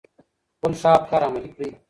خپل ښه افکار عملي کړئ.